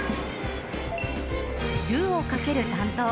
ルウをかける担当。